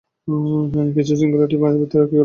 কিন্তু সিঙ্গুলারিটির ভেতরে কী ঘটে?